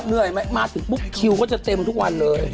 เหนื่อยไหมมาถึงปุ๊บคิวก็จะเต็มทุกวันเลย